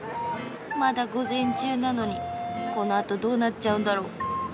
まだ午前中なのにこのあとどうなっちゃうんだろう？